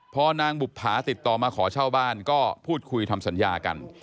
พอนางบุภาติดต่อมาขอเช่าบ้านก็พูดคุยทำสัญญากัน